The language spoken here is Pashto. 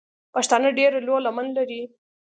پښتانه ډېره لو لمن لري.